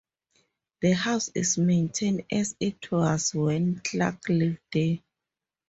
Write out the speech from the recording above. The house is maintained as it was when Clark lived there.